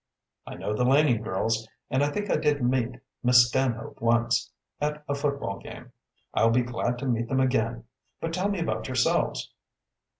"I know the Laning girls, and I think I did meet Miss Stanhope once at a football game. I'll be glad to meet them again. But tell me about yourselves."